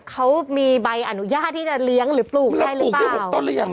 เขามีใบอนุญาตเลยได้เลี้ยงหรือปลูกได้หรือเปล่า๒บาร์